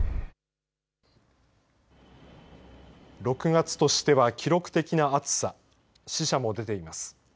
６月としては記録的な暑さ死者も出ています。